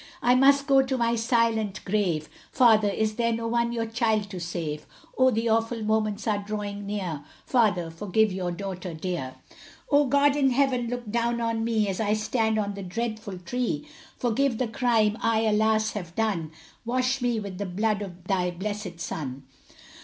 I must go to my silent grave, Father, is there no one your child to save, Oh the awful moments are drawing near, Father, forgive your daughter dear. Oh, God in heaven, look down on me, As I stand on the dreadful tree, Forgive the crime, I, alas, have done, Wash me with the blood of thy blessed son.